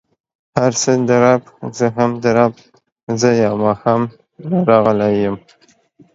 هر څه د رب، زه هم د رب، زه يو ماښام له راغلی يم.